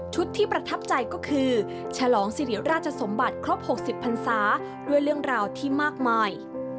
ที่ประทับใจก็คือฉลองสิริราชสมบัติครบ๖๐พันศาด้วยเรื่องราวที่มากมาย